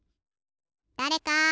だれか！